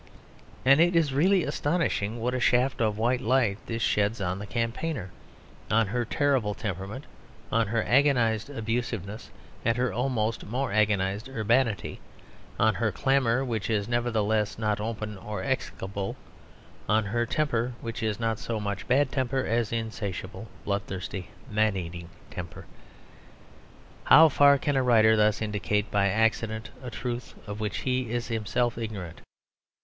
And it is really astonishing what a shaft of white light this sheds on the Campaigner, on her terrible temperament, on her agonised abusiveness and her almost more agonised urbanity, on her clamour which is nevertheless not open or explicable, on her temper which is not so much bad temper as insatiable, bloodthirsty, man eating temper. How far can a writer thus indicate by accident a truth of which he is himself ignorant?